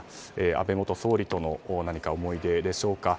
安倍元総理との思い出でしょうか。